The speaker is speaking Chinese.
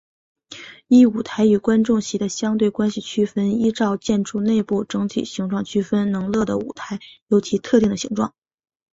依舞台与观众席的相对关系区分依照建筑内部整体形状区分能乐的舞台有其特定的形状。